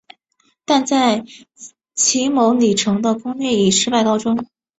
但在骑牟礼城的攻略以失败告终。